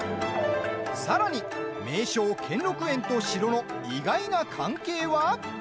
さらに名勝・兼六園と城の意外な関係は？